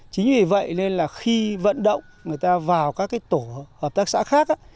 chính vì vậy nên là khi vận động người ta vào các cái tổ hợp tác xã khác